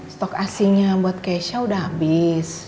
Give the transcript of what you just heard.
stok asinya buat keisha udah abis